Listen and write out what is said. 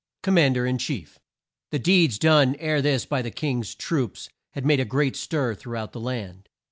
COMMANDER IN CHIEF. The deeds done ere this by the King's troops had made a great stir through out the land.